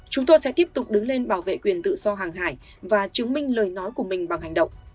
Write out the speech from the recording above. chúng tôi sẽ tiếp tục đứng lên bảo vệ quyền tự do hàng hải và chứng minh lời nói của mình bằng hành động